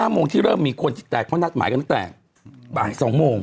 โมงที่เริ่มมีคนจิตแตกเขานัดหมายกันตั้งแต่บ่าย๒โมง